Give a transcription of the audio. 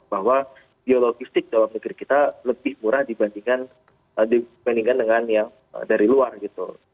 bahwa biaya logistik dalam negeri kita lebih murah dibandingkan dengan yang dari luar gitu